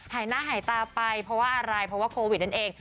หายหน้าหายตาไปเพราะว่าอะไรเพราะว่าโควิดนั่นเอง